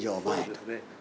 そうですね。